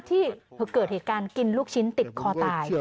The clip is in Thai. ที่เกิดเหตุการณ์กินลูกชิ้นติดคอตาย